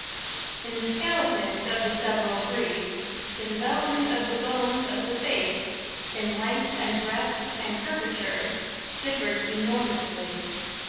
In the skeletons of the several breeds, the development of the bones of the face, in length and breadth and curvature, differs enormously.